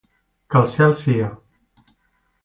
Que al cel sia!